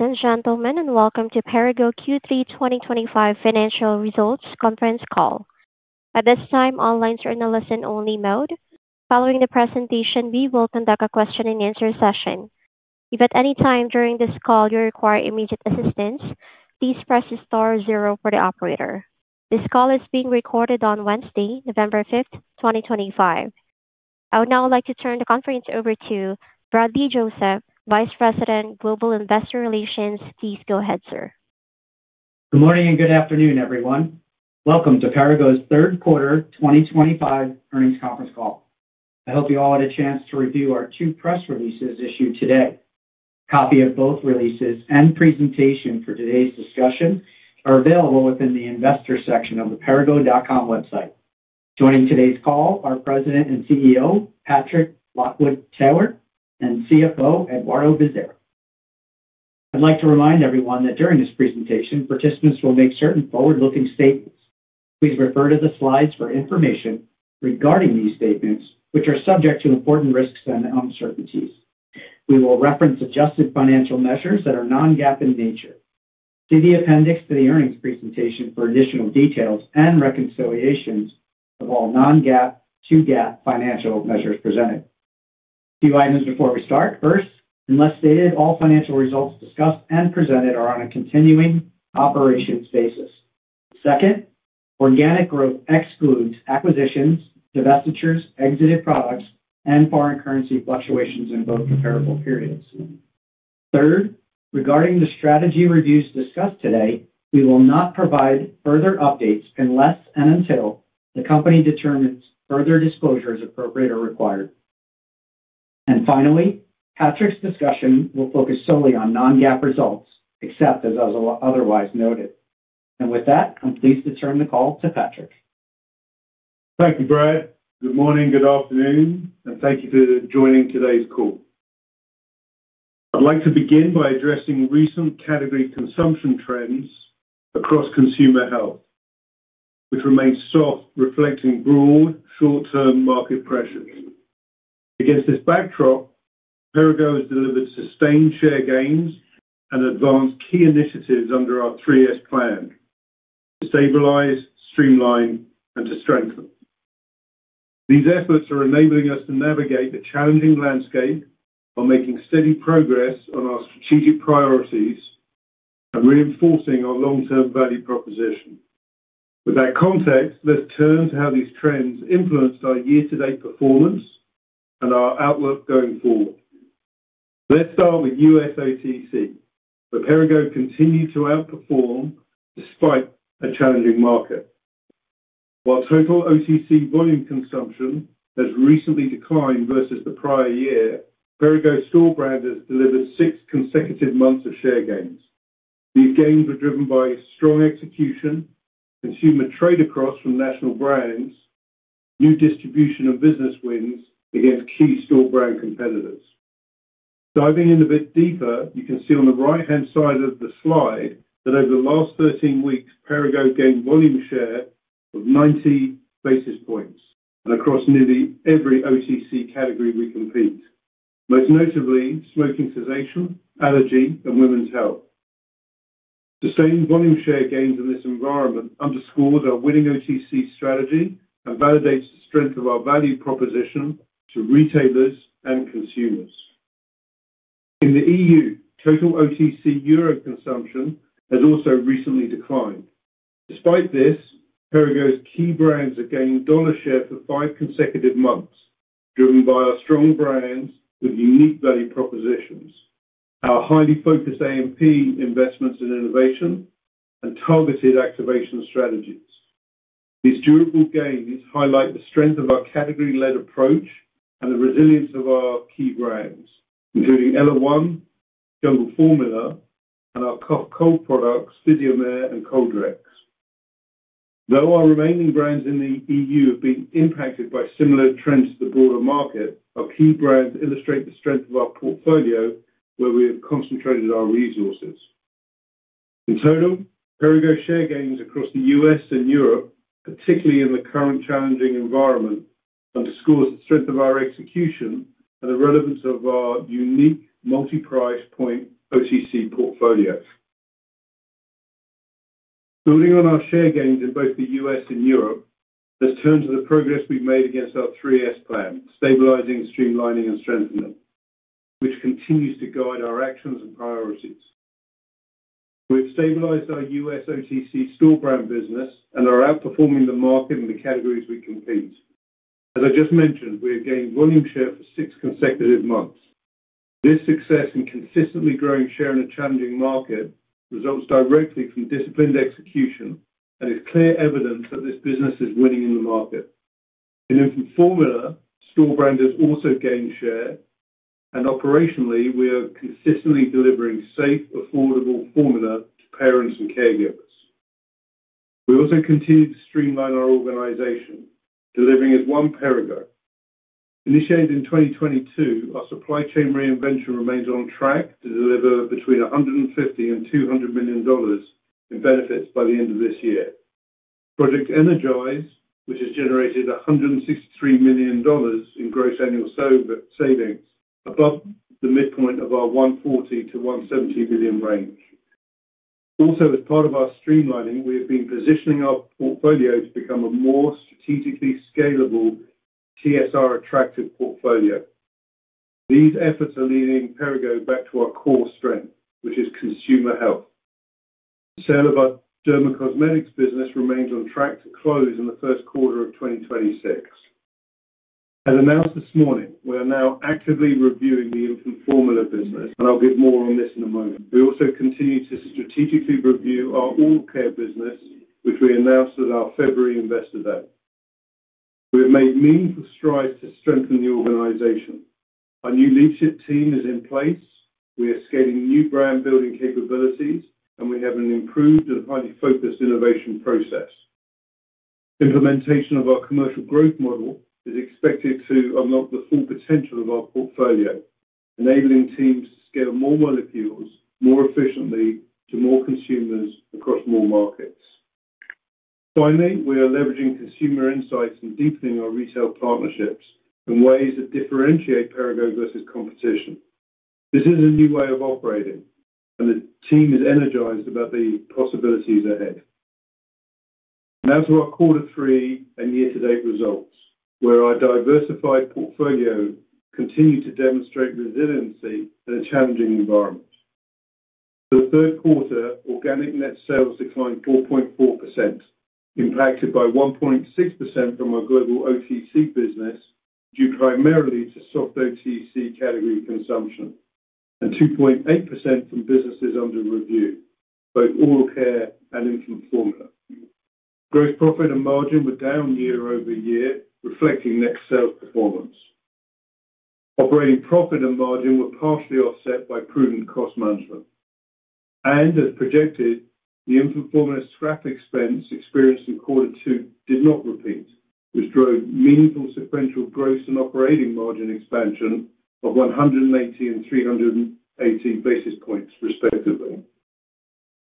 Ladies and gentlemen, and welcome to Perrigo Q3 2025 financial results conference call. At this time, all lines are in a listen-only mode. Following the presentation, we will conduct a question-and-answer session. If at any time during this call you require immediate assistance, please press star zero for the operator. This call is being recorded on Wednesday, November 5th, 2025. I would now like to turn the conference over to Bradley Joseph, Vice President, Global Investor Relations. Please go ahead, sir. Good morning and good afternoon, everyone. Welcome to Perrigo's third quarter 2025 earnings conference call. I hope you all had a chance to review our two press releases issued today. A copy of both releases and presentation for today's discussion are available within the investor section of the perrigo.com website. Joining today's call are President and CEO Patrick Lockwood-Taylor and CFO Eduardo Bezerra. I'd like to remind everyone that during this presentation, participants will make certain forward-looking statements. Please refer to the slides for information regarding these statements, which are subject to important risks and uncertainties. We will reference adjusted financial measures that are non-GAAP in nature. See the appendix to the earnings presentation for additional details and reconciliations of all non-GAAP to GAAP financial measures presented. A few items before we start. First, unless stated, all financial results discussed and presented are on a continuing operations basis. Second. Organic growth excludes acquisitions, divestitures, exited products, and foreign currency fluctuations in both comparable periods. Third, regarding the strategy reviews discussed today, we will not provide further updates unless and until the company determines further disclosure is appropriate or required. Finally, Patrick's discussion will focus solely on non-GAAP results, except as otherwise noted. With that, I'm pleased to turn the call to Patrick. Thank you, Brad. Good morning, good afternoon, and thank you for joining today's call. I'd like to begin by addressing recent category consumption trends across consumer health, which remain soft, reflecting broad short-term market pressures. Against this backdrop, Perrigo has delivered sustained share gains and advanced key initiatives under our Three-S Plan to Stabilize, Streamline, and to Strengthen. These efforts are enabling us to navigate the challenging landscape while making steady progress on our strategic priorities and reinforcing our long-term value proposition. With that context, let's turn to how these trends influenced our year-to-date performance and our outlook going forward. Let's start with U.S. OTC, where Perrigo continued to outperform despite a challenging market. While total OTC volume consumption has recently declined versus the prior year, Perrigo's store brand has delivered six consecutive months of share gains. These gains were driven by strong execution, consumer trade across from national brands, new distribution, and business wins against key store brand competitors. Diving in a bit deeper, you can see on the right-hand side of the slide that over the last 13 weeks, Perrigo gained volume share of 90 basis points across nearly every OTC category we compete, most notably Smoking Cessation, Allergy, and Women's Health. Sustained volume share gains in this environment underscore our winning OTC strategy and validate the strength of our value proposition to retailers and consumers. In the E.U., total OTC euro consumption has also recently declined. Despite this, Perrigo's key brands have gained dollar share for five consecutive months, driven by our strong brands with unique value propositions, our highly focused AMP investments in innovation, and targeted activation strategies. These durable gains highlight the strength of our category-led approach and the resilience of our key brands, including Elastoplast, Jungle Formula, and our cough cold products, PHYSIOMER, and Coldrex. Though our remaining brands in the E.U. have been impacted by similar trends to the broader market, our key brands illustrate the strength of our portfolio, where we have concentrated our resources. In total, Perrigo's share gains across the US and Europe, particularly in the current challenging environment, underscore the strength of our execution and the relevance of our unique multi-price point OTC portfolio. Building on our share gains in both the U.S. and Europe, let's turn to the progress we've made against our Three-S Plan, Stabilizing, Streamlining, and Strengthening, which continues to guide our actions and priorities. We have stabilized our U.S. OTC store brand business and are outperforming the market in the categories we compete. As I just mentioned, we have gained volume share for six consecutive months. This success in consistently growing share in a challenging market results directly from disciplined execution and is clear evidence that this business is winning in the market. In Infant Formula, store brand has also gained share, and operationally, we are consistently delivering safe, affordable formula to parents and caregivers. We also continue to streamline our organization, delivering as One Perrigo. Initiated in 2022, our Supply Chain Reinvention remains on track to deliver between $150 million and $200 million in benefits by the end of this year. Project Energize, which has generated $163 million in gross annual savings, is above the midpoint of our $140 million-$170 million range. Also, as part of our streamlining, we have been positioning our portfolio to become a more strategically scalable, TSR-attractive portfolio. These efforts are leading Perrigo back to our core strength, which is consumer health. The sale of our s business remains on track to close in the first quarter of 2026. As announced this morning, we are now actively reviewing the Infant Formula business, and I'll get more on this in a moment. We also continue to strategically review our Oral Care business, which we announced at our February investor day. We have made meaningful strides to strengthen the organization. Our new leadership team is in place. We are scaling new brand-building capabilities, and we have an improved and highly focused innovation process. Implementation of our commercial growth model is expected to unlock the full potential of our portfolio, enabling teams to scale more molecules more efficiently to more consumers across more markets. Finally, we are leveraging consumer insights and deepening our retail partnerships in ways that differentiate Perrigo versus competition. This is a new way of operating, and the team is energized about the possibilities ahead. Now to our quarter three and year-to-date results, where our diversified portfolio continued to demonstrate resiliency in a challenging environment. For the third quarter, organic net sales declined 4.4%, impacted by 1.6% from our global OTC business due primarily to soft OTC category consumption and 2.8% from businesses under review, both Oral Care and Infant Formula. Gross profit and margin were down year-over-year, reflecting net sales performance. Operating profit and margin were partially offset by prudent cost management. As projected, the Infant Formula scrap expense experienced in quarter two did not repeat, which drove meaningful sequential growth and operating margin expansion of 180 and 380 basis points, respectively.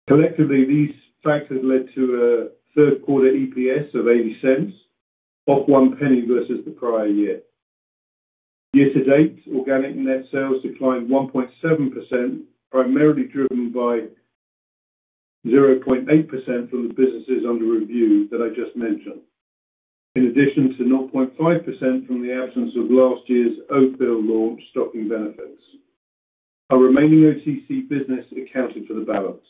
Collectively, these factors led to a third-quarter EPS of $0.80, off one penny versus the prior year. Year-to-date, organic net sales declined 1.7%, primarily driven by 0.8% from the businesses under review that I just mentioned, in addition to 0.5% from the absence of last year's Opill launch stocking benefits. Our remaining OTC business accounted for the balance.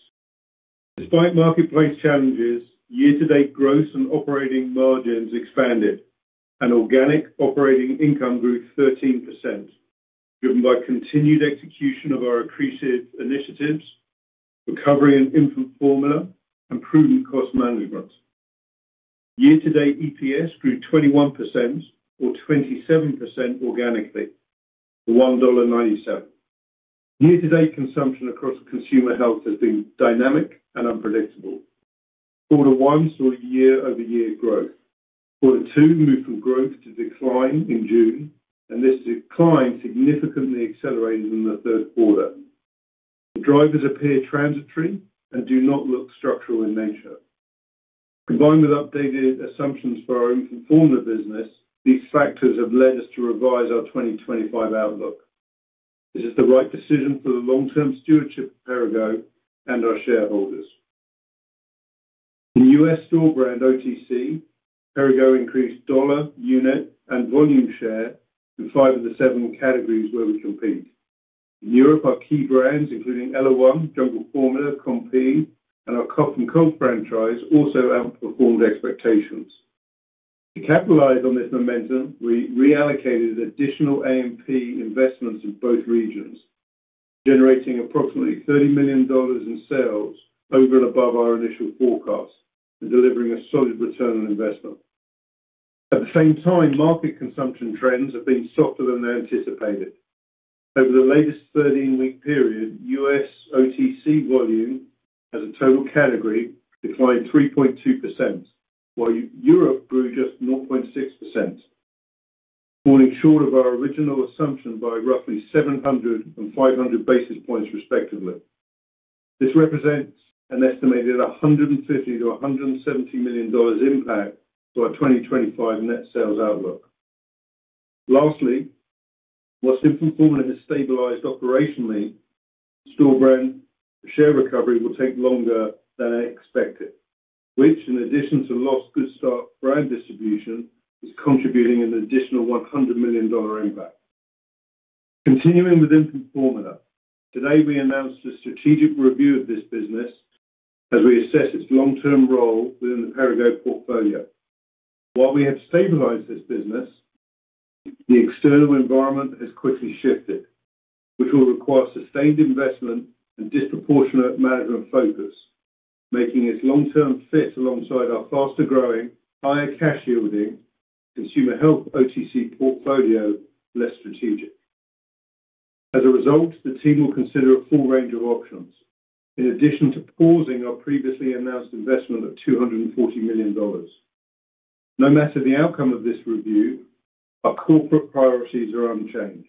Despite marketplace challenges, year-to-date growth and operating margins expanded, and organic operating income grew 13%. Driven by continued execution of our accretive initiatives, recovery in Infant Formula, and prudent cost management. Year-to-date EPS grew 21%, or 27% organically, to $1.97. Year-to-date consumption across consumer health has been dynamic and unpredictable. Quarter one saw year-over-year growth. Quarter two moved from growth to decline in June, and this decline significantly accelerated in the third quarter. The drivers appear transitory and do not look structural in nature. Combined with updated assumptions for our Infant Formula business, these factors have led us to revise our 2025 outlook. This is the right decision for the long-term stewardship of Perrigo and our shareholders. In U.S. store brand OTC, Perrigo increased dollar, unit, and volume share in five of the seven categories where we compete. In Europe, our key brands, including ellaOne, Jungle Formula, Compeed, and our Cough & Cold franchise, also outperformed expectations. To capitalize on this momentum, we reallocated additional AMP investments in both regions, generating approximately $30 million in sales over and above our initial forecast and delivering a solid return on investment. At the same time, market consumption trends have been softer than anticipated. Over the latest 13-week period, U.S. OTC volume as a total category declined 3.2%, while Europe grew just 0.6%, falling short of our original assumption by roughly 700 and 500 basis points, respectively. This represents an estimated $150 million-$170 million impact to our 2025 net sales outlook. Lastly. Whilst Infant Formula has stabilized operationally, store brand share recovery will take longer than expected, which, in addition to lost goods stock brand distribution, is contributing an additional $100 million impact. Continuing with Infant Formula, today we announced a strategic review of this business. As we assess its long-term role within the Perrigo portfolio. While we have stabilized this business, the external environment has quickly shifted, which will require sustained investment and disproportionate management focus, making its long-term fit alongside our faster-growing, higher-cash-yielding consumer health OTC portfolio less strategic. As a result, the team will consider a full range of options, in addition to pausing our previously announced investment of $240 million. No matter the outcome of this review, our corporate priorities are unchanged: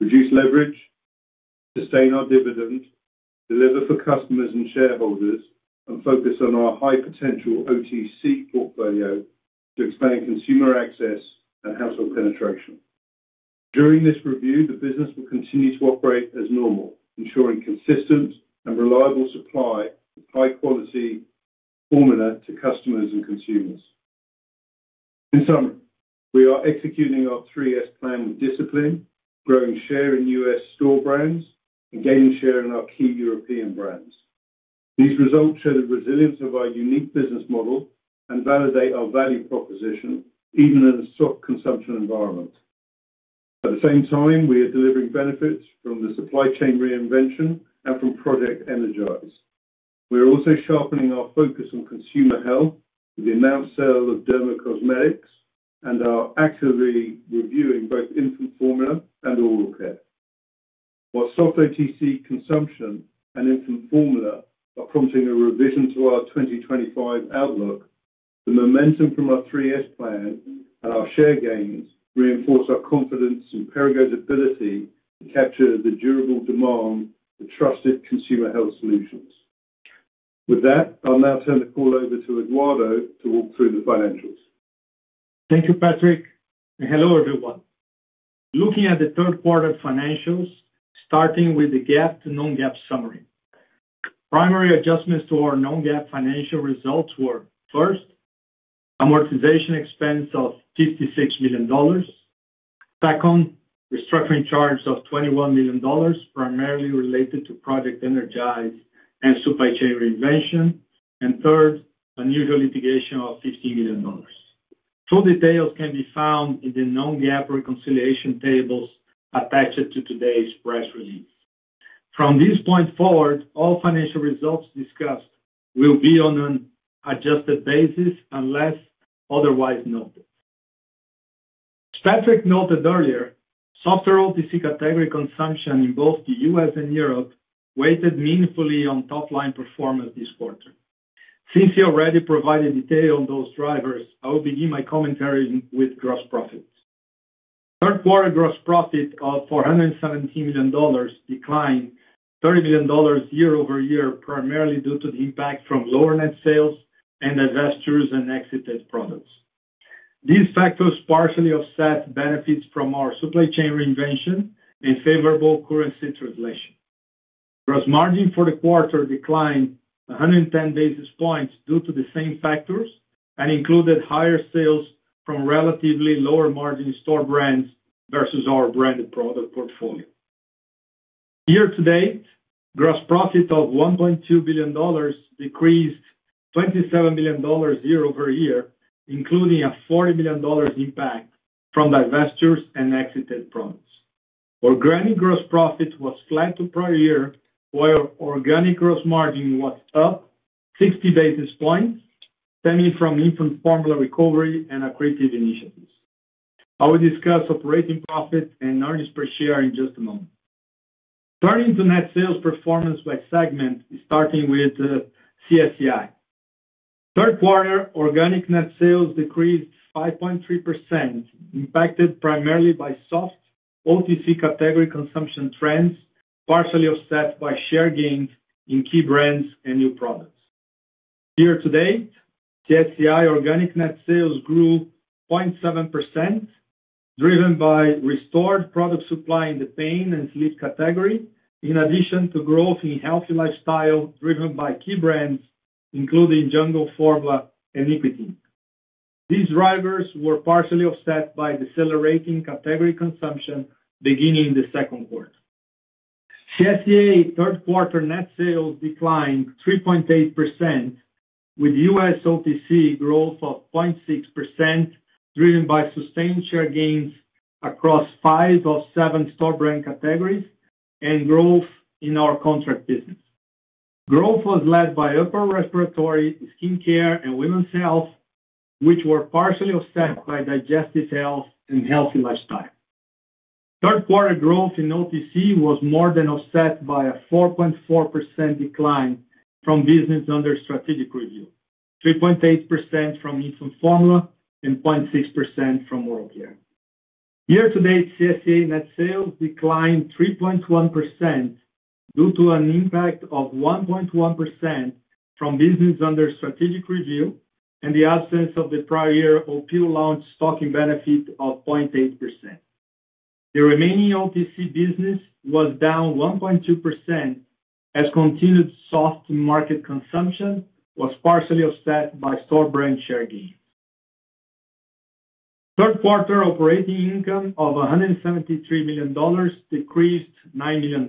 reduce leverage, sustain our dividend, deliver for customers and shareholders, and focus on our high-potential OTC portfolio to expand consumer access and household penetration. During this review, the business will continue to operate as normal, ensuring consistent and reliable supply of high-quality formula to customers and consumers. In summary, we are executing our Three-S Plan with discipline, growing share in U.S. store brands, and gaining share in our key European brands. These results show the resilience of our unique business model and validate our value proposition even in a soft consumption environment. At the same time, we are delivering benefits from the Supply Chain Reinvention and from Project Energize. We are also sharpening our focus on consumer health with the announced sale of Dermacosmetics and are actively reviewing both Infant Formula and Oral Care. While soft OTC consumption and Infant Formula are prompting a revision to our 2025 outlook, the momentum from our Three-S Plan and our share gains reinforce our confidence in Perrigo's ability to capture the durable demand for trusted consumer health solutions. With that, I'll now turn the call over to Eduardo to walk through the financials. Thank you, Patrick. And hello, everyone. Looking at the third-quarter financials, starting with the GAAP-to-non-GAAP summary. Primary adjustments to our non-GAAP financial results were, first, amortization expense of $56 million. Second, restructuring charge of $21 million, primarily related to Project Energize and Supply Chain Reinvention. And third, unusual litigation of $15 million. Full details can be found in the non-GAAP reconciliation tables attached to today's press release. From this point forward, all financial results discussed will be on an adjusted basis unless otherwise noted. As Patrick noted earlier, soft OTC category consumption in both the U.S. and Europe weighted meaningfully on top-line performance this quarter. Since he already provided detail on those drivers, I will begin my commentary with gross profits. Third-quarter gross profit of $417 million declined $30 million year-over-year, primarily due to the impact from lower net sales and disasters and exited products. These factors partially offset benefits from our Supply Chain Reinvention and favorable currency translation. Gross margin for the quarter declined 110 basis points due to the same factors and included higher sales from relatively lower-margin store brands versus our branded product portfolio. Year-to-date, gross profit of $1.2 billion decreased $27 million year-over-year, including a $40 million impact from disasters and exited products. Organic gross profit was flat to prior year, while organic gross margin was up 60 basis points, stemming from Infant Formula recovery and accretive initiatives. I will discuss operating profit and earnings per share in just a moment. Turning to net sales performance by segment, starting with CSCI. Third quarter, organic net sales decreased 5.3%, impacted primarily by soft OTC category consumption trends, partially offset by share gains in key brands and new products. Year-to-date, CSCI organic net sales grew 0.7%, driven by restored product supply in the Pain and Sleep category, in addition to growth in healthy lifestyle driven by key brands, including Jungle Formula and NiQuitin. These drivers were partially offset by decelerating category consumption beginning in the second quarter. CSCI third-quarter net sales declined 3.8%, with U.S. OTC growth of 0.6%, driven by sustained share gains across five of seven store brand categories and growth in our contract business. Growth was led by Upper Respiratory, Skin Care, and Women's Health, which were partially offset by Digestive Health and Healthy Lifestyle. Third-quarter growth in OTC was more than offset by a 4.4% decline from business under strategic review, 3.8% from Infant Formula and 0.6% from Oral Care. Year-to-date, CSCI net sales declined 3.1% due to an impact of 1.1% from business under strategic review and the absence of the prior-year Opill launch stocking benefit of 0.8%. The remaining OTC business was down 1.2%, as continued soft market consumption was partially offset by store brand share gains. Third-quarter operating income of $173 million decreased $9 million.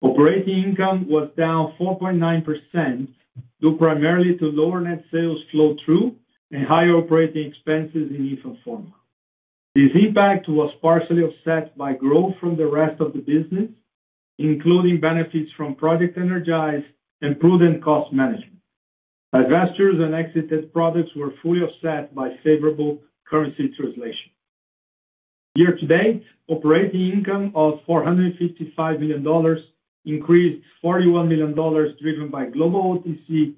Operating income was down 4.9%, due primarily to lower net sales flow-through and higher operating expenses in Infant Formula. This impact was partially offset by growth from the rest of the business, including benefits from Project Energize and prudent cost management. Disasters and exited products were fully offset by favorable currency translation. Year-to-date, operating income of $455 million increased $41 million driven by global OTC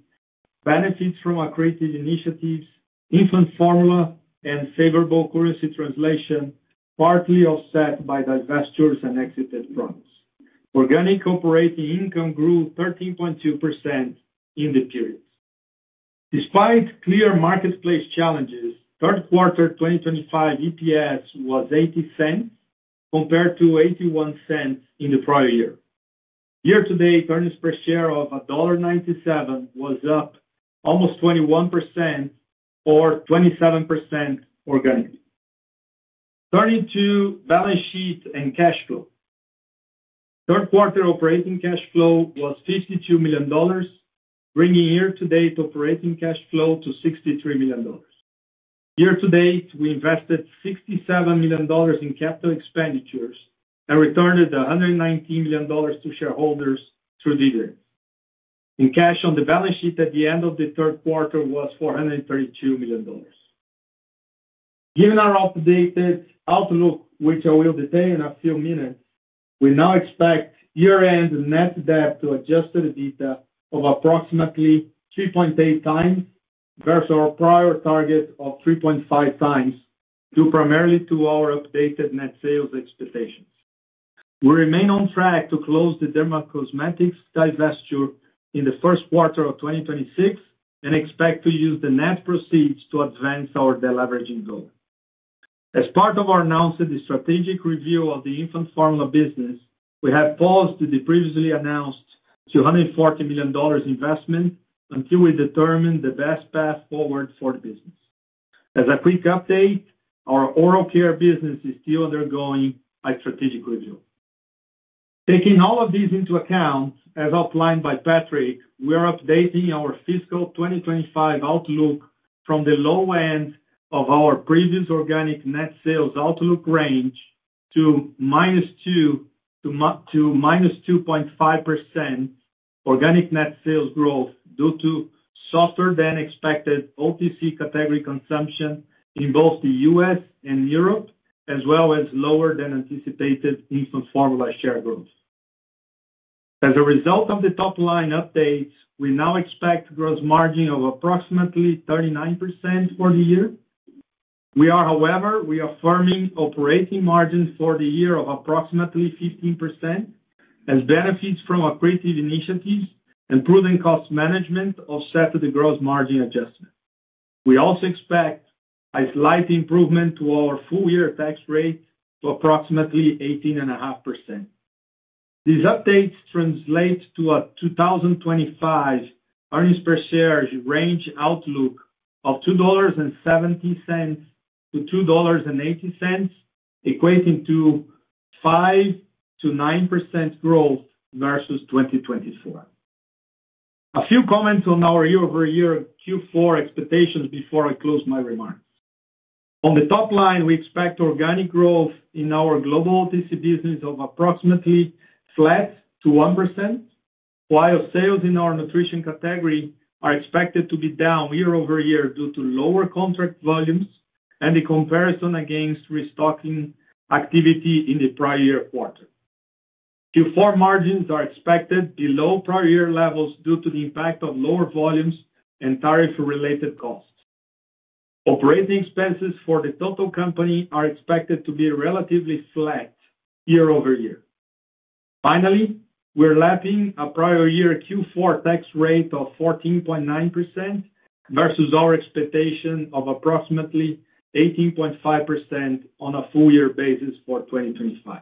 benefits from accretive initiatives, Infant Formula, and favorable currency translation, partially offset by disasters and exited products. Organic operating income grew 13.2% in the period. Despite clear marketplace challenges, third-quarter 2025 EPS was $0.80 compared to $0.81 in the prior year. Year-to-date, earnings per share of $1.97 was up almost 21%, or 27% organically. Turning to balance sheet and cash flow. Third-quarter operating cash flow was $52 million, bringing year-to-date operating cash flow to $63 million. Year-to-date, we invested $67 million in capital expenditures and returned $119 million to shareholders through dividends. Cash on the balance sheet at the end of the third quarter was $432 million. Given our updated outlook, which I will detail in a few minutes, we now expect year-end net debt to adjust to the data of approximately 3.8x versus our prior target of 3.5x, due primarily to our updated net sales expectations. We remain on track to close the Dermacosmetics divestiture in the first quarter of 2026 and expect to use the net proceeds to advance our deleveraging goal. As part of our announcement, the strategic review of the Infant Formula business, we have paused the previously announced $240 million investment until we determine the best path forward for the business. As a quick update, our Oral Care business is still undergoing a strategic review. Taking all of these into account, as outlined by Patrick, we are updating our fiscal 2025 outlook from the low end of our previous organic net sales outlook range to -2.5%. Organic net sales growth due to softer than expected OTC category consumption in both the U.S. and Europe, as well as lower than anticipated Infant Formula share growth. As a result of the top-line updates, we now expect gross margin of approximately 39% for the year. We are, however, reaffirming operating margin for the year of approximately 15%, as benefits from accretive initiatives and prudent cost management offset the gross margin adjustment. We also expect a slight improvement to our full-year tax rate to approximately 18.5%. These updates translate to a 2025 earnings per share range outlook of $2.70-$2.80, equating to 5%-9% growth versus 2024. A few comments on our year-over-year Q4 expectations before I close my remarks. On the top line, we expect organic growth in our global OTC business of approximately flat to 1%. While sales in our Nutrition category are expected to be down year-over-year due to lower contract volumes and the comparison against restocking activity in the prior year quarter. Q4 margins are expected below prior year levels due to the impact of lower volumes and tariff-related costs. Operating expenses for the total company are expected to be relatively flat year-over-year. Finally, we're lapping a prior year Q4 tax rate of 14.9% versus our expectation of approximately 18.5% on a full-year basis for 2025.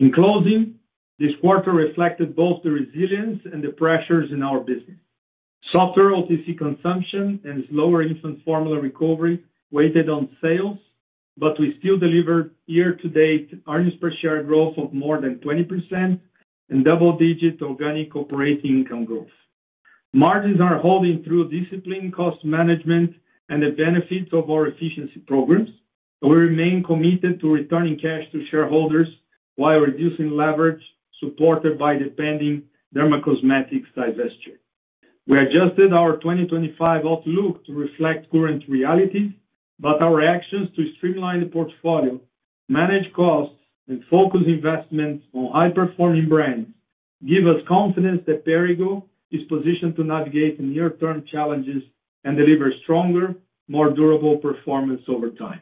In closing, this quarter reflected both the resilience and the pressures in our business. Softer OTC consumption and slower Infant Formula recovery weighted on sales, but we still delivered year-to-date earnings per share growth of more than 20% and double-digit organic operating income growth. Margins are holding through discipline, cost management, and the benefits of our efficiency programs. We remain committed to returning cash to shareholders while reducing leverage supported by the pending Dermacosmetics divestiture. We adjusted our 2025 outlook to reflect current realities, but our actions to streamline the portfolio, manage costs, and focus investments on high-performing brands give us confidence that Perrigo is positioned to navigate the near-term challenges and deliver stronger, more durable performance over time.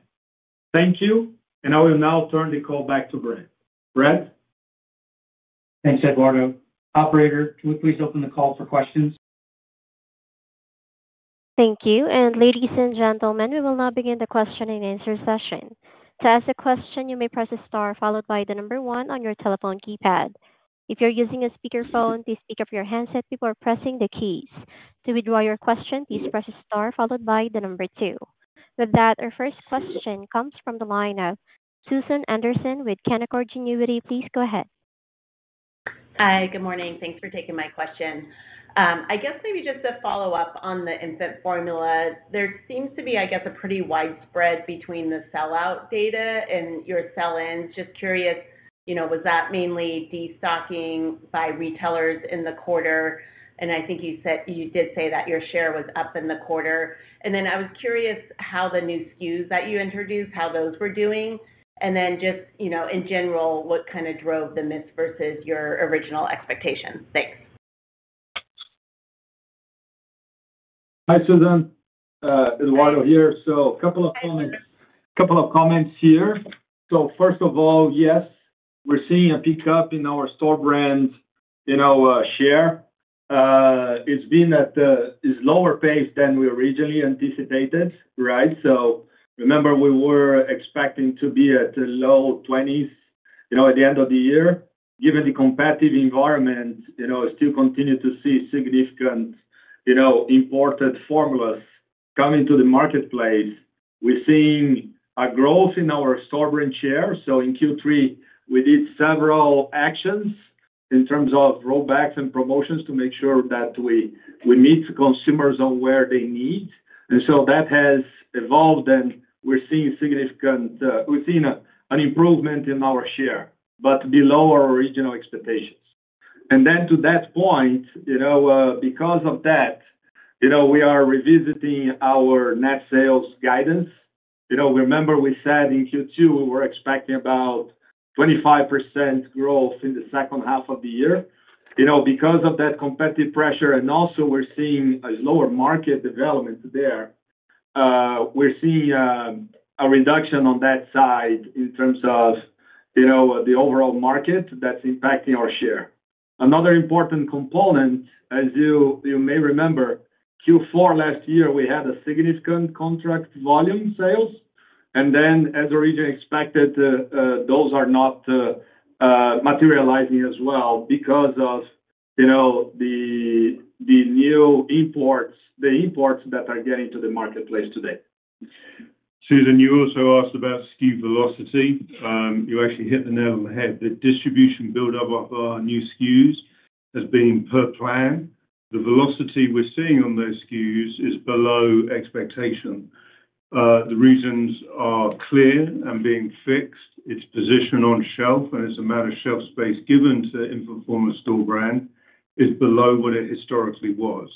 Thank you, and I will now turn the call back to Brad. Thanks, Eduardo. Operator, can we please open the call for questions? Thank you. Ladies and gentlemen, we will now begin the question and answer session. To ask a question, you may press star followed by the number one on your telephone keypad. If you are using a speakerphone, please pick up your handset before pressing the keys. To withdraw your question, please press star followed by the number two. With that, our first question comes from the line of Susan Anderson with Canaccord Genuity. Please go ahead. Hi, good morning. Thanks for taking my question. I guess maybe just a follow-up on the Infant Formula. There seems to be, I guess, a pretty wide spread between the sellout data and your sell-ins. Just curious, you know, was that mainly destocking by retailers in the quarter? I think you said you did say that your share was up in the quarter. I was curious how the new SKUs that you introduced, how those were doing, and then just, you know, in general, what kind of drove the miss versus your original expectations. Thanks. Hi, Susan. Eduardo here. A couple of comments here. First of all, yes, we're seeing a pickup in our store brands, you know, share. It's been at a lower pace than we originally anticipated, right? Remember, we were expecting to be at the low 20s, you know, at the end of the year, given the competitive environment, you know, still continue to see significant, you know, imported formulas coming to the marketplace. We're seeing a growth in our store brand share. In Q3, we did several actions in terms of rollbacks and promotions to make sure that we meet consumers on where they need. That has evolved, and we're seeing significant, we've seen an improvement in our share, but below our original expectations. To that point, you know, because of that, you know, we are revisiting our net sales guidance. Remember we said in Q2 we were expecting about 25% growth in the second half of the year. You know, because of that competitive pressure, and also we're seeing a slower market development there, we're seeing a reduction on that side in terms of, you know, the overall market that's impacting our share. Another important component, as you may remember, Q4 last year, we had a significant contract volume sales, and then, as originally expected, those are not materializing as well because of, you know, the new imports, the imports that are getting to the marketplace today. Susan, you also asked about SKU velocity. You actually hit the nail on the head. The distribution buildup of our new SKUs has been per plan. The velocity we're seeing on those SKUs is below expectation. The reasons are clear and being fixed. It's positioned on shelf, and it's a matter of shelf space given to informal store brand is below what it historically was.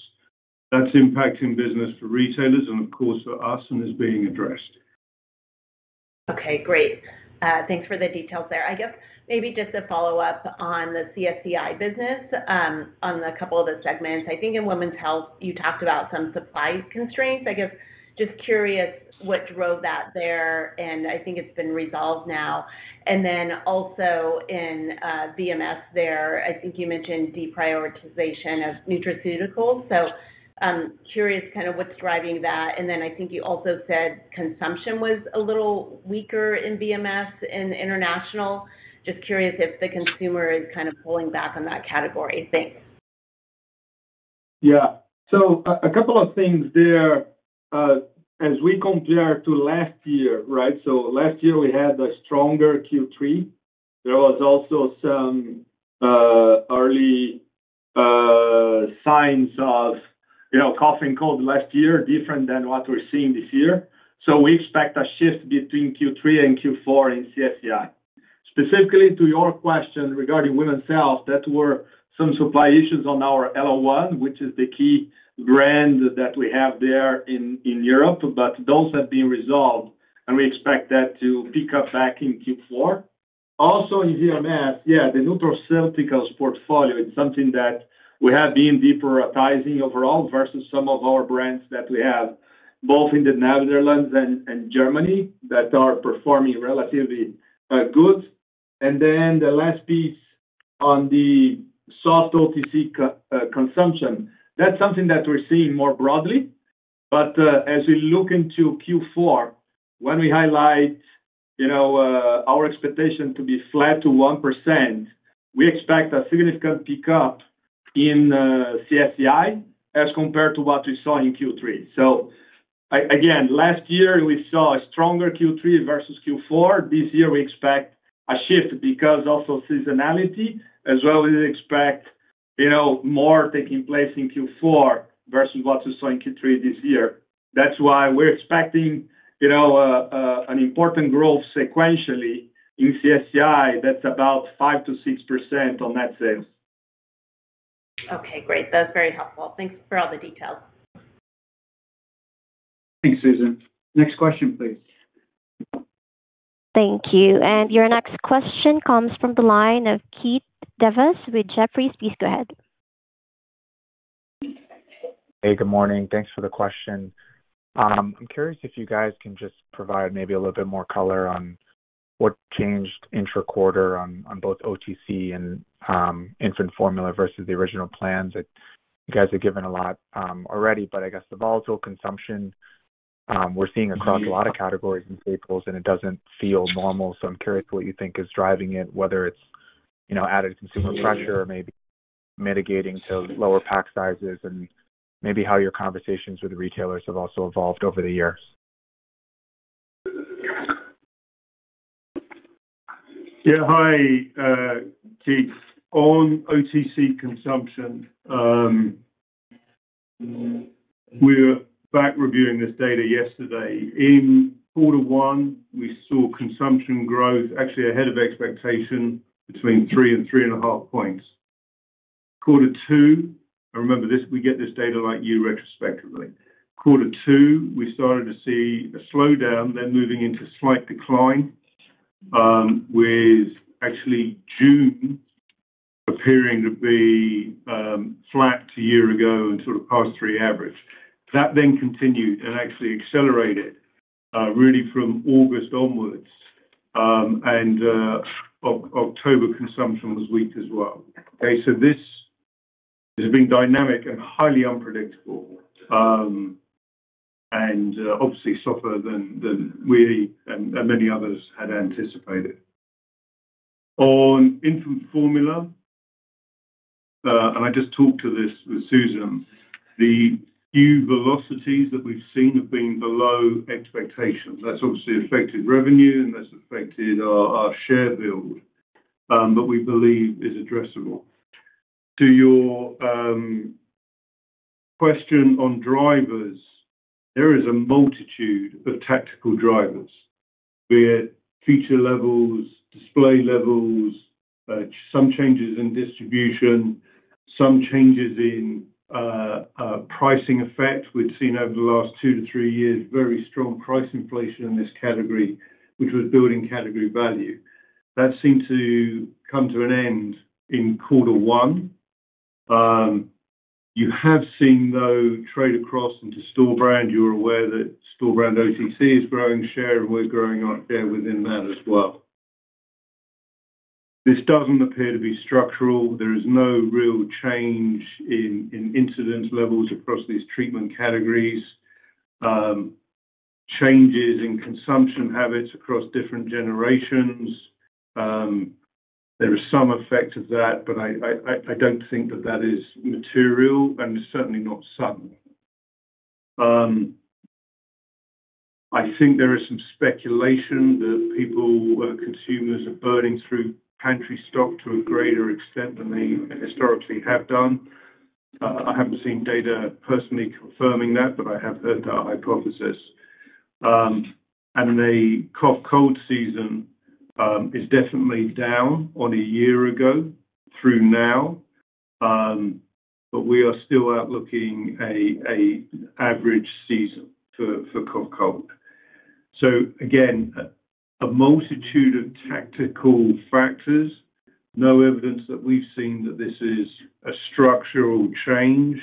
That's impacting business for retailers and, of course, for us, and is being addressed. Okay, great. Thanks for the details there. I guess maybe just a follow-up on the CSCI business. On a couple of the segments. I think in Women's Health, you talked about some supply constraints. I guess just curious what drove that there, and I think it's been resolved now. Also in VMS there, I think you mentioned deprioritization of nutraceuticals. I'm curious kind of what's driving that. I think you also said consumption was a little weaker in VMS and international. Just curious if the consumer is kind of pulling back on that category. Thanks. Yeah. A couple of things there. As we compare to last year, right? Last year we had a stronger Q3. There was also some early. Signs of, you know, cough and cold last year, different than what we're seeing this year. We expect a shift between Q3 and Q4 in CSCI. Specifically to your question regarding Women's Health, there were some supply issues on our ellaOne, which is the key brand that we have there in Europe, but those have been resolved, and we expect that to pick up back in Q4. Also in VMS, yeah, the nutraceuticals portfolio, it's something that we have been deprioritizing overall versus some of our brands that we have both in the Netherlands and Germany that are performing relatively good. The last piece on the soft OTC consumption, that's something that we're seeing more broadly. But as we look into Q4, when we highlight, you know, our expectation to be flat to 1%, we expect a significant pickup in CSCI as compared to what we saw in Q3. Again, last year we saw a stronger Q3 versus Q4. This year we expect a shift because of seasonality, as well as we expect, you know, more taking place in Q4 versus what we saw in Q3 this year. That is why we are expecting, you know, an important growth sequentially in CSCI that is about 5%-6% on net sales. Okay, great. That is very helpful. Thanks for all the details. Thanks, Susan. Next question, please. Thank you. Your next question comes from the line of Keith Devas with Jefferies. Please go ahead. Hey, good morning. Thanks for the question. I'm curious if you guys can just provide maybe a little bit more color on what changed intra-quarter on both OTC and Infant Formula versus the original plans. You guys have given a lot already, but I guess the volatile consumption. We're seeing across a lot of categories and staples, and it doesn't feel normal. I'm curious what you think is driving it, whether it's, you know, added consumer pressure or maybe mitigating to lower pack sizes and maybe how your conversations with retailers have also evolved over the years. Yeah, hi, Keith. On OTC consumption, we were back reviewing this data yesterday. In quarter one, we saw consumption growth actually ahead of expectation between 3 and 3.5 percentage points. Quarter two, I remember this, we get this data like you retrospectively. Quarter two, we started to see a slowdown, then moving into slight decline. With actually June appearing to be flat to a year ago and sort of past three average. That then continued and actually accelerated really from August onwards. October consumption was weak as well. Okay, this has been dynamic and highly unpredictable, and obviously softer than we and many others had anticipated. On Infant Formula, and I just talked to this with Susan, the few velocities that we've seen have been below expectations. That's obviously affected revenue, and that's affected our share build. That we believe is addressable. To your question on drivers, there is a multitude of tactical drivers, be it feature levels, display levels, some changes in distribution, some changes in pricing effect. We've seen over the last two to three years very strong price inflation in this category, which was building category value. That seemed to come to an end in quarter one. You have seen, though, trade across into store brand. You're aware that store brand OTC is growing share, and we're growing up there within that as well. This doesn't appear to be structural. There is no real change in incidence levels across these treatment categories. Changes in consumption habits across different generations. There is some effect of that, but I don't think that that is material, and it's certainly not sudden. I think there is some speculation that people, consumers, are burning through pantry stock to a greater extent than they historically have done. I haven't seen data personally confirming that, but I have heard that hypothesis. The cough cold season is definitely down on a year ago through now. We are still outlooking an average season for cough cold. Again. A multitude of tactical factors, no evidence that we've seen that this is a structural change.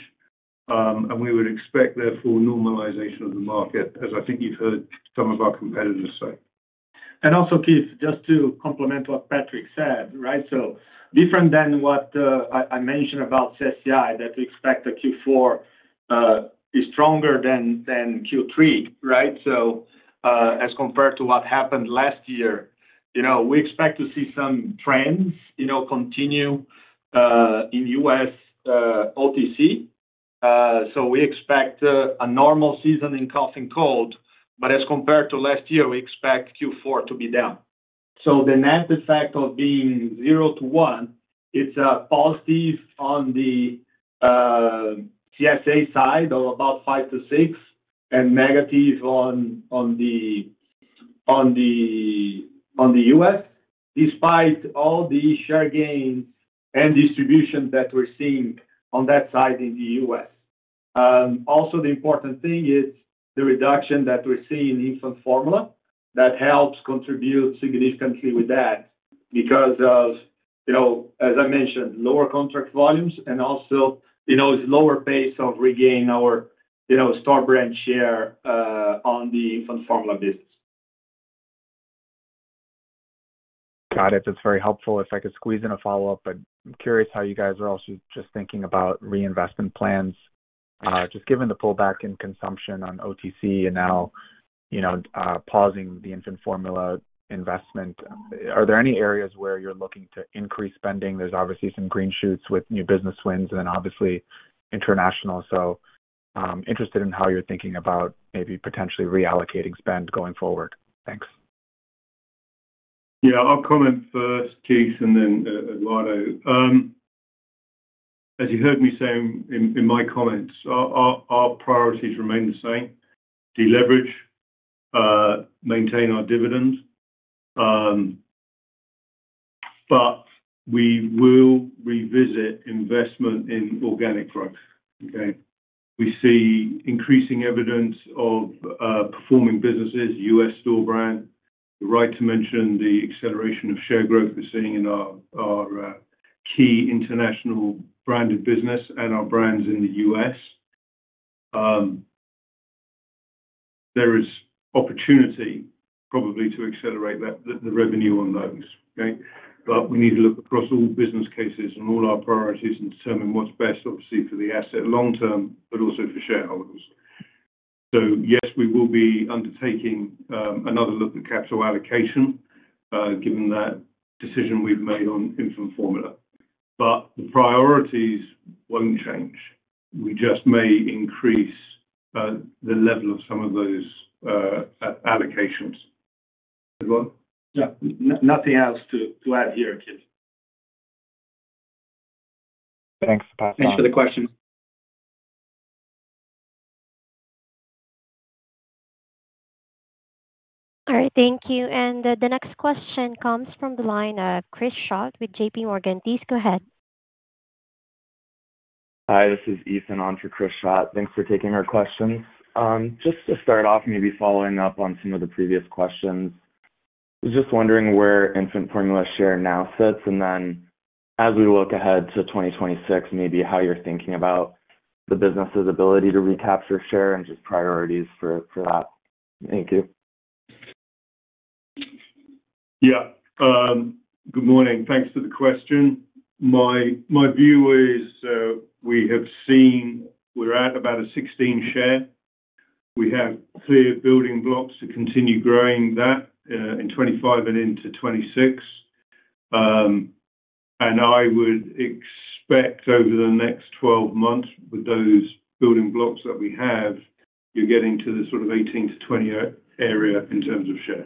We would expect, therefore, normalization of the market, as I think you've heard some of our competitors say. Also, Keith, just to complement what Patrick said, right? Different than what I mentioned about CSCI, we expect that Q4 is stronger than Q3, right? As compared to what happened last year, you know, we expect to see some trends, you know, continue. In U.S. OTC. We expect a normal season in cough and cold, but as compared to last year, we expect Q4 to be down. The net effect of being zero to one, it's a positive on the CSCI side of about 5-6 and negative on the. On the U.S., despite all the share gains and distribution that we're seeing on that side in the U.S.. Also, the important thing is the reduction that we're seeing in Infant Formula that helps contribute significantly with that because of, you know, as I mentioned, lower contract volumes and also, you know, it's lower pace of regaining our, you know, store brand share on the Infant Formula business. Got it. That's very helpful. If I could squeeze in a follow-up, but I'm curious how you guys are also just thinking about reinvestment plans. Just given the pullback in consumption on OTC and now, you know, pausing the Infant Formula investment, are there any areas where you're looking to increase spending? There's obviously some green shoots with new business wins and then obviously. International. Interested in how you're thinking about maybe potentially reallocating spend going forward. Thanks. Yeah, I'll comment first, Keith, and then Eduardo. As you heard me say in my comments, our priorities remain the same: deleverage. Maintain our dividends. We will revisit investment in organic growth, okay? We see increasing evidence of performing businesses, U.S. store brand, the right to mention the acceleration of share growth we're seeing in our key international branded business and our brands in the U.S.. There is opportunity probably to accelerate that revenue on those, okay? We need to look across all business cases and all our priorities and determine what's best, obviously, for the asset long term, but also for shareholders. Yes, we will be undertaking another look at capital allocation given that decision we've made on Infant Formula. The priorities won't change. We just may increase the level of some of those allocations. Eduardo? Yeah. Nothing else to add here, Keith. Thanks, Pat. Thanks for the questions. All right. Thank you. The next question comes from the line of Chris Schott with JPMorgan. Please go ahead. Hi, this is Ethan on for Chris Schott. Thanks for taking our questions. Just to start off, maybe following up on some of the previous questions, I was just wondering where Infant Formula share now sits and then as we look ahead to 2026, maybe how you're thinking about the business's ability to recapture share and just priorities for that. Thank you. Yeah. Good morning. Thanks for the question. My view is we have seen we're at about a 16% share. We have clear building blocks to continue growing that in 2025 and into 2026. I would expect over the next 12 months with those building blocks that we have, you're getting to the sort of 18-20 area in terms of share.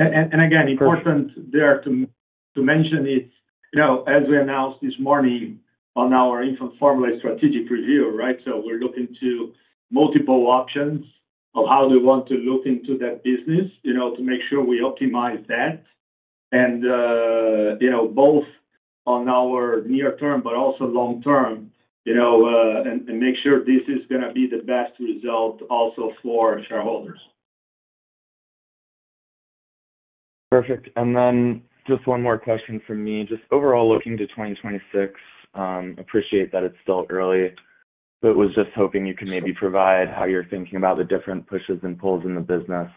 The important thing to mention is, you know, as we announced this morning on our Infant Formula strategic review, right? We are looking to multiple options of how do we want to look into that business, you know, to make sure we optimize that. You know, both on our near term but also long term, you know, and make sure this is going to be the best result also for shareholders. Perfect. Just one more question from me. Just overall looking to 2026, appreciate that it's still early, but was just hoping you could maybe provide how you're thinking about the different pushes and pulls in the business.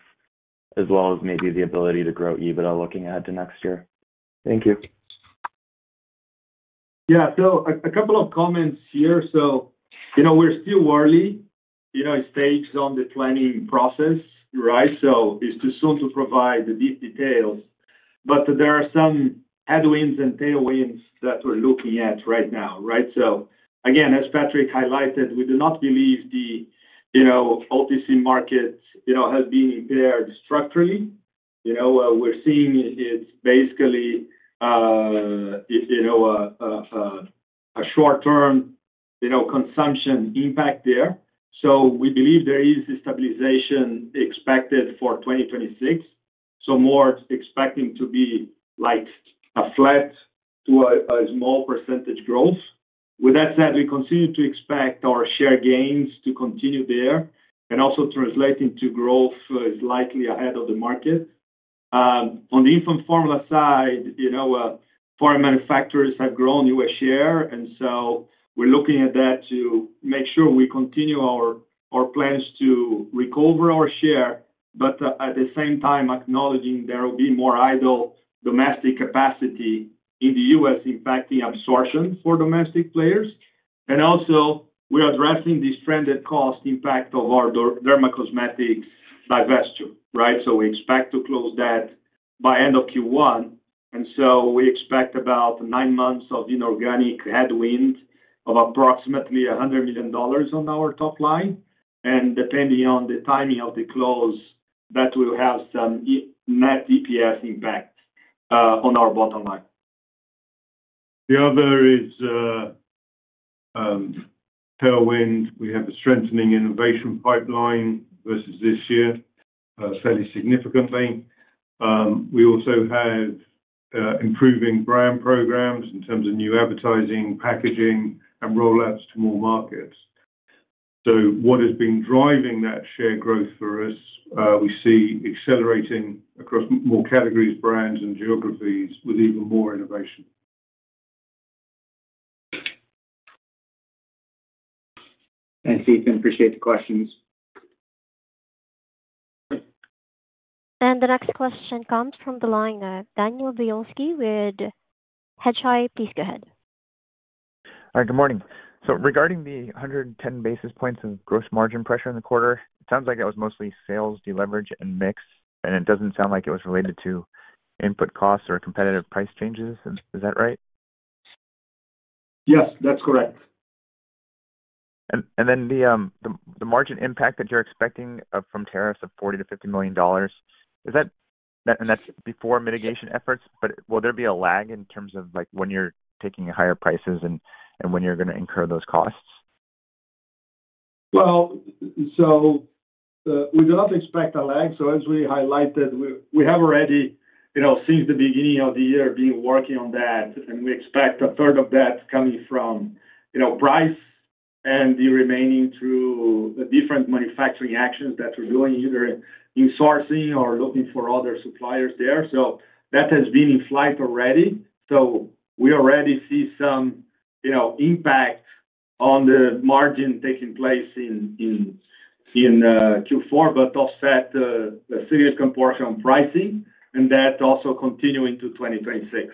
As well as maybe the ability to grow EBITDA looking ahead to next year. Thank you. Yeah. So a couple of comments here. You know, we're still early stage on the planning process, right? It's too soon to provide the deep details, but there are some headwinds and tailwinds that we're looking at right now, right? Again, as Patrick highlighted, we do not believe the OTC market has been impaired structurally. We're seeing it's basically a short-term consumption impact there. We believe there is stabilization expected for 2026. More expecting to be like a flat to a small percentage growth. With that said, we continue to expect our share gains to continue there and also translating to growth is likely ahead of the market. On the Infant Formula side, you know, foreign manufacturers have grown U.S. share, and so we're looking at that to make sure we continue our plans to recover our share, but at the same time acknowledging there will be more idle domestic capacity in the U.S. impacting absorption for domestic players. We are also addressing this trend at cost impact of our Dermacosmetics divestiture, right? We expect to close that by end of Q1. We expect about nine months of inorganic headwind of approximately $100 million on our top line. Depending on the timing of the close, that will have some net EPS impact on our bottom line. The other is tailwind. We have a strengthening innovation pipeline versus this year, fairly significantly. We also have improving brand programs in terms of new advertising, packaging, and rollouts to more markets. What has been driving that share growth for us, we see accelerating across more categories, brands, and geographies with even more innovation. Thanks, Ethan. Appreciate the questions. The next question comes from the line of Daniel Biolsi with Hedgeye. Please go ahead. All right. Good morning. Regarding the 110 basis points of gross margin pressure in the quarter, it sounds like that was mostly sales, deleverage, and mix, and it does not sound like it was related to input costs or competitive price changes. Is that right? Yes, that is correct. The margin impact that you are expecting from tariffs of $40 million-$50 million, that is before mitigation efforts, but will there be a lag in terms of when you are taking higher prices and when you are going to incur those costs? We do not expect a lag. As we highlighted, we have already, you know, since the beginning of the year, been working on that, and we expect a third of that coming from, you know, price and the remaining through the different manufacturing actions that we're doing, either insourcing or looking for other suppliers there. That has been in flight already. We already see some, you know, impact on the margin taking place in Q4, but offset a serious proportion of pricing, and that also continuing to 2026.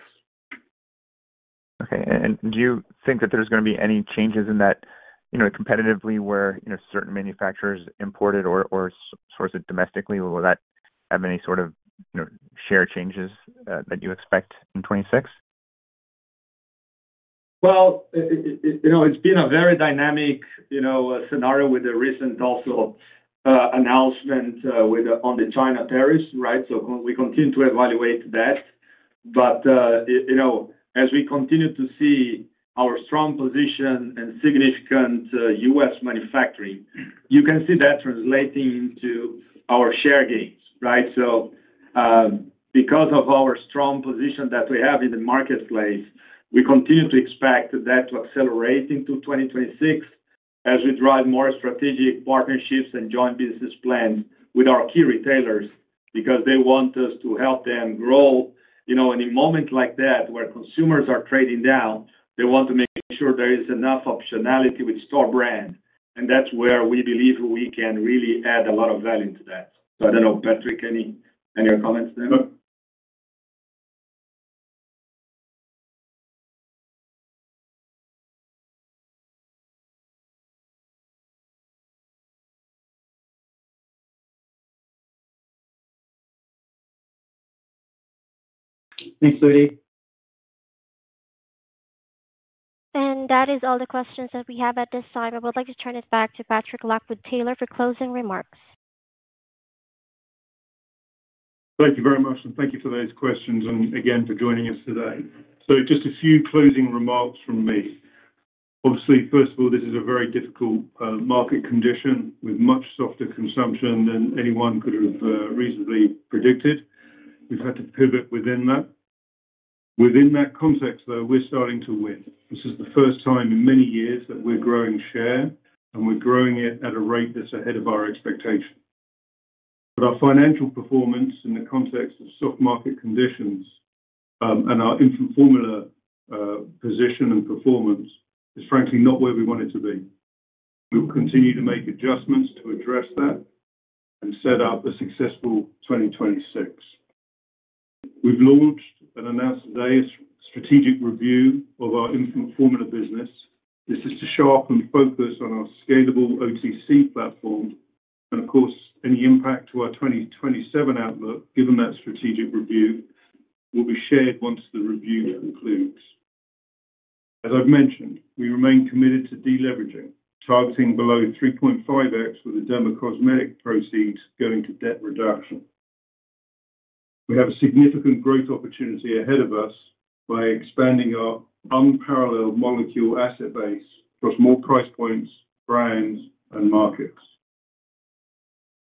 Okay. Do you think that there's going to be any changes in that, you know, competitively where, you know, certain manufacturers imported or sourced it domestically, will that have any sort of, you know, share changes that you expect in 2026? It, you know, it's been a very dynamic, you know, scenario with the recent also. Announcement with on the China tariffs, right? We continue to evaluate that. You know, as we continue to see our strong position and significant U.S. manufacturing, you can see that translating into our share gains, right? Because of our strong position that we have in the marketplace, we continue to expect that to accelerate into 2026 as we drive more strategic partnerships and joint business plans with our key retailers because they want us to help them grow. You know, in a moment like that where consumers are trading down, they want to make sure there is enough optionality with store brand. That is where we believe we can really add a lot of value to that. I do not know, Patrick, any other comments there? No. That is all the questions that we have at this time. I would like to turn it back to Patrick Lockwood-Taylor for closing remarks. Thank you very much, and thank you for those questions and again for joining us today. Just a few closing remarks from me. Obviously, first of all, this is a very difficult market condition with much softer consumption than anyone could have reasonably predicted. We've had to pivot within that. Within that context, though, we're starting to win. This is the first time in many years that we're growing share, and we're growing it at a rate that's ahead of our expectation. Our financial performance in the context of soft market conditions, and our Infant Formula position and performance is frankly not where we want it to be. We will continue to make adjustments to address that and set up a successful 2026. We've launched and announced today a strategic review of our Infant Formula business. This is to sharpen focus on our scalable OTC platform. Of course, any impact to our 2027 outlook, given that strategic review, will be shared once the review concludes. As I've mentioned, we remain committed to deleveraging, targeting below 3.5x with the Dermacosmetics proceeds going to debt reduction. We have a significant growth opportunity ahead of us by expanding our unparalleled molecule asset base across more price points, brands, and markets.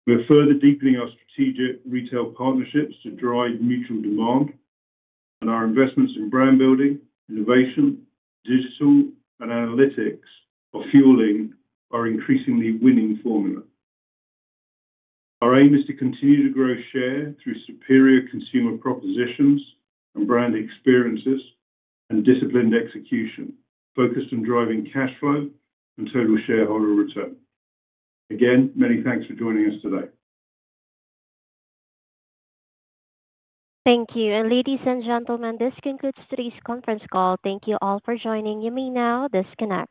We are further deepening our strategic retail partnerships to drive mutual demand, and our investments in brand building, innovation, digital, and analytics are fueling our increasingly winning formula. Our aim is to continue to grow share through superior consumer propositions and brand experiences and disciplined execution focused on driving cash flow and total shareholder return. Again, many thanks for joining us today. Thank you. Ladies and gentlemen, this concludes today's conference call. Thank you all for joining. You may now disconnect.